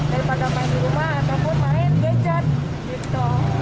daripada main di rumah ataupun main gajah